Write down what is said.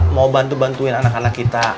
mau bantu bantuin anak anak kita